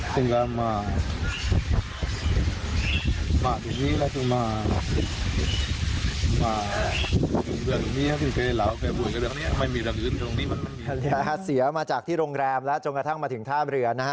เทรี่ยเสียมาจากที่โรงแรมแล้วจนกระทั่งมาถึงภาบเรือน